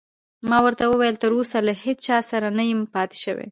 ما ورته وویل: تراوسه له هیڅ چا سره نه یم پاتې شوی.